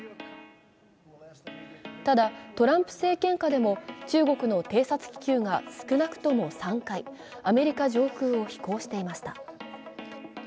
ただ、トランプ政権下でも中国の偵察気球が少なくとも３回、アメリカ上空を飛行していました。